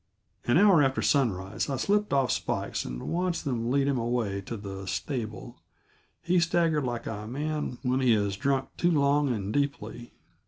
An hour after sunrise I slipped off Spikes and watched them lead him away to the stable; he staggered like a man when he has drunk too long and deeply.